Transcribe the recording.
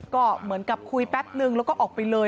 ก็เหมือนกับคุยแป๊บนึงแล้วก็ออกไปเลย